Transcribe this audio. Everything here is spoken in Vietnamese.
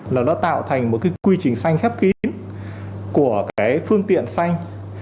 là nó tạo thành một cái quy trình xanh khép kín của cái phương tiện xanh